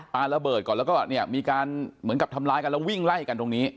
ระเบิดก่อนแล้วก็เนี่ยมีการเหมือนกับทำร้ายกันแล้ววิ่งไล่กันตรงนี้